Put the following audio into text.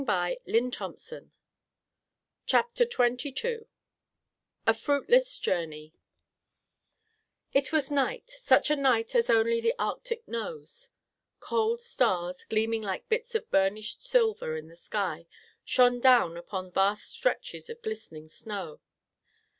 Now that hope was gone. CHAPTER XXII A FRUITLESS JOURNEY It was night; such a night as only the Arctic knows. Cold stars, gleaming like bits of burnished silver in the sky, shone down upon vast stretches of glistening snow.